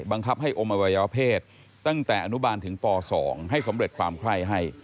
บังคับให้อมอวัยวเพศตั้งแต่อนุบาลถึงป๒ให้สำเร็จความไข้ให้